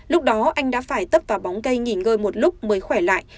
lúc đó anh đã phải tấp vào bóng cây nghỉ ngơi một lúc mới khỏe lại